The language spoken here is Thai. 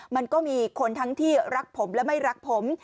มันก็มีคนทั้งที่รักผมและไม่รักผม